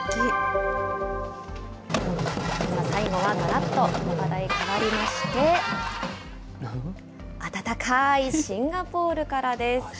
最後はがらっと話題変わりまして、暖かいシンガポールからです。